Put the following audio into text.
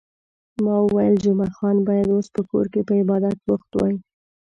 ما وویل، جمعه خان باید اوس په کور کې په عبادت بوخت وای.